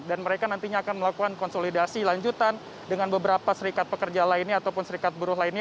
dan mereka nantinya akan melakukan konsolidasi lanjutan dengan beberapa serikat pekerja lainnya ataupun serikat buruh lainnya